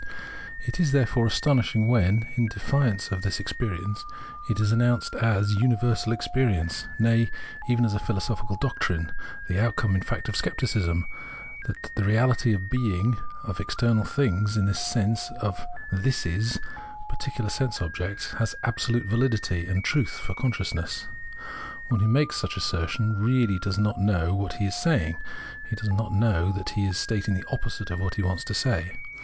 It is therefore astonishing when, in defiance of this experience, it is announced as " universal experi ence "— nay, even as a philosophical doctrine, the out come, in fact, of scepticism — that the reality or being of external things in the sense of " Thises," particular sense objects, has absolute validity and truth for con sciousness. One who makes such an assertion really does not know what he is saying, does not know that he is stating the opposite of what he wants to say.